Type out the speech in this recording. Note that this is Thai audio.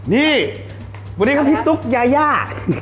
นี่วันนี้ครับพี่ตุ๊กยายา